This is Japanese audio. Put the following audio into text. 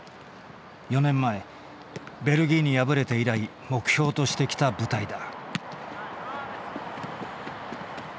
４年前ベルギーに敗れて以来目標としてきた舞台だ。